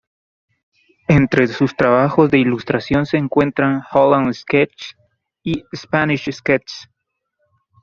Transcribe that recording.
Entre sus trabajos de ilustración se encuentran "Holland Sketches" y "Spanish Sketches".